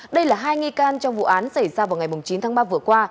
đây là hai nghi can trong vụ án xảy ra vào ngày chín tháng ba vừa qua